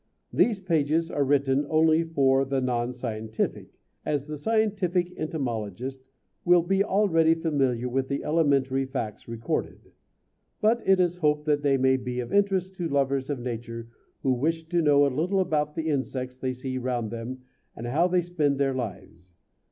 {vi} These pages are written only for the non scientific, as the scientific entomologist will be already familiar with the elementary facts recorded; but it is hoped that they may be of interest to lovers of Nature who wish to know a little about the insects they see round them and how they spend their lives.